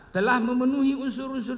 telah memenuhi unsur unsur